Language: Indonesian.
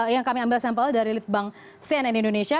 yang kami ambil sampel dari litbang cnn indonesia